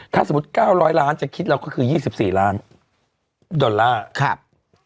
ถ้าสมมุติ๙๐๐ล้านจะคิดเราก็คือ๒๔ล้านดอลลาร์